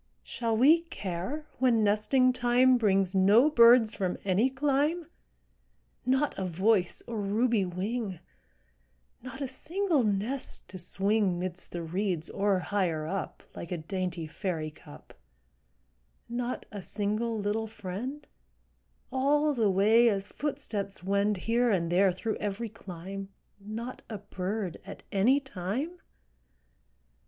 Shall we care when nesting time Brings no birds from any clime, Not a voice or ruby wing, Not a single nest to swing 'Midst the reeds or higher up, Like a dainty fairy cup; Not a single little friend, All the way as footsteps wend Here and there through every clime, Not a bird at any time?